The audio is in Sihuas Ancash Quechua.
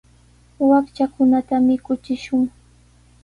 Wakchakunata mikuchishun.